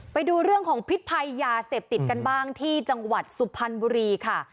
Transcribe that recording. ไปดูเรื่องของพิษภัยยาเสพติดกันบ้างที่จังหวัดสุพรรณบุรีค่ะ